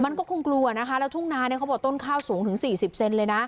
มันก็คงกลัวนะคะแล้วทุ่งนาเนี่ยเขาบอกต้นข้าวสูงถึง๔๐เซนเลยนะ